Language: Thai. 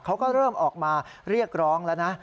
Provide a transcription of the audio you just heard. เขาก็เริ่มออกมาเรียกร้องแล้วนะ